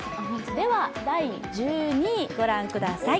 第１２位御覧ください。